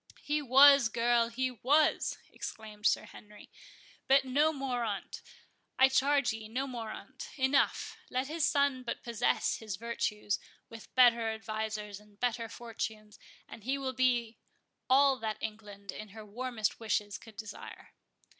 "He was, girl, he was!" exclaimed Sir Henry; "but no more on't, I charge ye—no more on't—enough; let his son but possess his virtues, with better advisers, and better fortunes, and he will be all that England, in her warmest wishes, could desire."